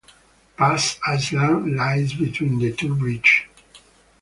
Pass Island lies between the two bridges.